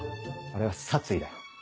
あれは殺意だよ。